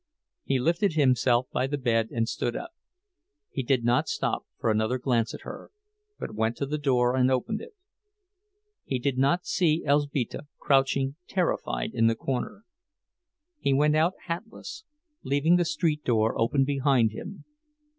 He lifted himself by the bed, and stood up. He did not stop for another glance at her, but went to the door and opened it. He did not see Elzbieta, crouching terrified in the corner. He went out, hatless, leaving the street door open behind him.